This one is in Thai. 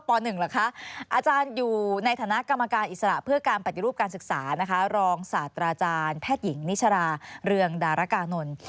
๑เหรอคะอาจารย์อยู่ในฐานะกรรมการอิสระเพื่อการปฏิรูปการศึกษานะคะรองศาสตราจารย์แพทย์หญิงนิชราเรืองดารกานนท์